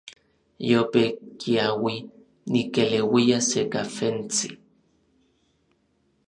Yope kiaui, nikeleuia se kafentsi.